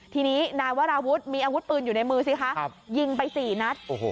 ทีนี้นายวราวุฒิมีอาวุธปืนอยู่ในมือสิคะยิงไป๔นัด